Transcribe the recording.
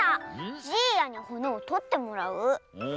じいやにほねをとってもらう？